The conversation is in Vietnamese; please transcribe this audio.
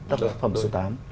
tác phẩm số tám